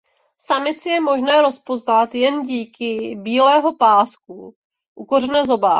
Samici je možné rozpoznat jen díky bílého pásku u kořene zobáku.